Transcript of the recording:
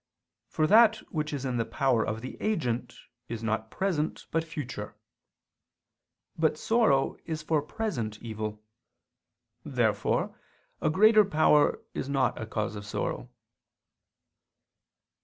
For that which is in the power of the agent is not present but future. But sorrow is for present evil. Therefore a greater power is not a cause of sorrow.